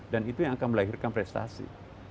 dan itu yang akan melahirkan prestasi